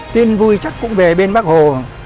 tin vui chắc cũng về bên bác hồ